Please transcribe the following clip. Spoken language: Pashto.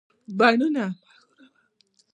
بڼونه